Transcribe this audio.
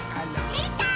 できたー！